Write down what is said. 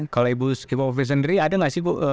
kalau ibu sendiri ada nggak sih bu